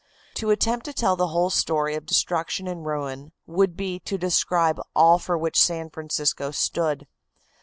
To attempt to tell the whole story of destruction and ruin would be to describe all for which San Francisco stood.